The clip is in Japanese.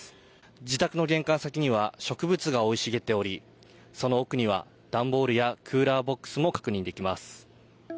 自宅の玄関先には植物が生い茂っており、その奥には段ボールやクーラーボックスがあります。